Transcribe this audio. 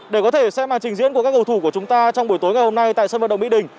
để có thể xem màn trình diễn của các cầu thủ của chúng ta trong buổi tối ngày hôm nay tại sân vận động mỹ đình